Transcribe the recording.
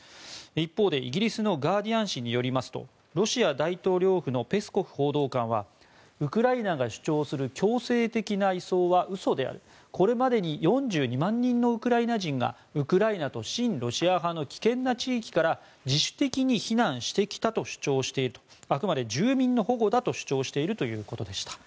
一方でイギリスのガーディアン紙によりますとロシア大統領府のペスコフ報道官はウクライナが主張する強制的な移送は嘘であるこれまでに４２万人のウクライナ人がウクライナと親ロシア派の危険な地域から自主的に避難してきたと主張しているとあくまで住民の保護だと主張しているということでした。